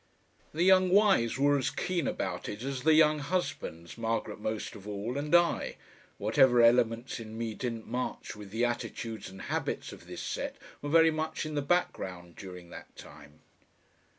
The young wives were as keen about it as the young husbands, Margaret most of all, and I whatever elements in me didn't march with the attitudes and habits of this set were very much in the background during that time.